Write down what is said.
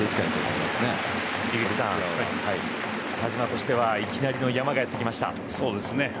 田嶋としてはいきなり井口さん山がやってきました。